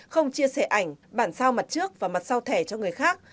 không chia sẻ ảnh bản sao mặt trước và mặt sau thẻ cho người khác